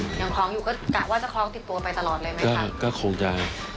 ยังคล้องอยู่ก็กล่าวว่าจะคล้องติดตัวตลอดเลยมั้คะ